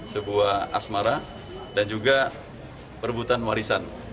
sebuah asmara dan juga perebutan warisan